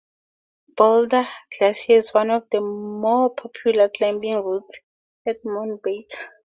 Boulder Glacier is one of the more popular climbing routes on Mount Baker.